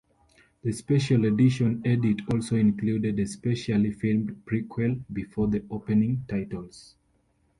The special edition edit also included a specially filmed prequel before the opening titles.